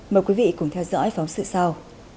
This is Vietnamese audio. mời quý vị cùng theo dõi phóng sự sau